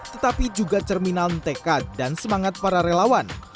tetapi juga cerminan tekad dan semangat para relawan